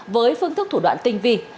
với phương thức thủ đoạn tinh vi